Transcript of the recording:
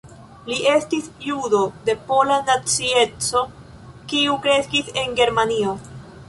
Li estis judo de pola nacieco kiu kreskis en Germanio.